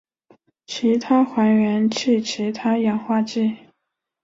其他还原器其他氧化剂